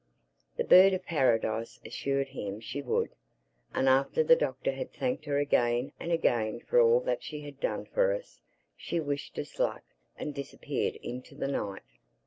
The Bird of Paradise assured him she would. And after the Doctor had thanked her again and again for all that she had done for us, she wished us good luck and disappeared into the night.